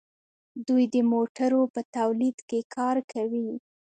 دوی د موټرو په تولید کې کار کوي.